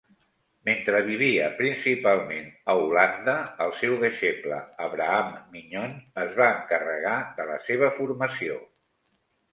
Mentre vivia principalment a Holanda, el seu deixeble Abraham Mignon es va encarregar de la seva formació.